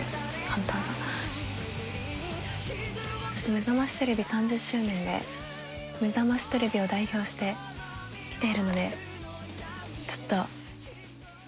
『めざましテレビ』３０周年で『めざましテレビ』を代表して来ているのでちょっと。